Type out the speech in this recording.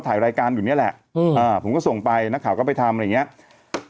ถ่ายรายการอยู่เนี่ยแหละอืมอ่าผมก็ส่งไปนักข่าวก็ไปทำอะไรอย่างเงี้ย